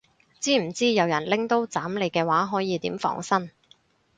知唔知有人拎刀斬你嘅話可以點防身